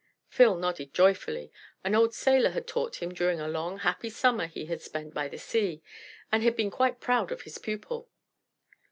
Phil nodded joyfully; an old sailor had taught him during a long happy summer he had spent by the sea, and had been quite proud of his pupil.